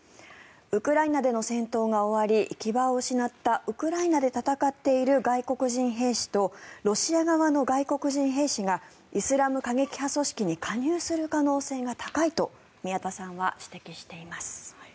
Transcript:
ウクライナでの戦闘が終わり行き場を失ったウクライナで戦っている外国人兵士とロシア側の外国人兵士がイスラム過激派組織に加入する可能性が高いと宮田さんは指摘しています。